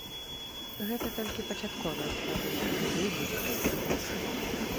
Гэта толькі пачатковая стадыя, а далей будзе толькі горш.